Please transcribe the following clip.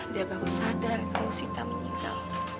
dia baru sadar kalau sita meninggal